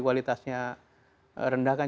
kualitasnya rendah kan